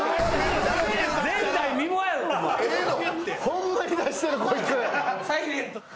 ホンマに出してるこいつ。